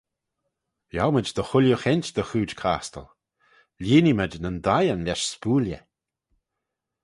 Yiow mayd dy chooilley cheint dy chooid chostal, lhieenee mayd nyn dhieyn lesh spooilley.